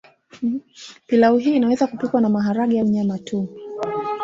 Pilau hii inaweza kupikwa na maharage au nyama tu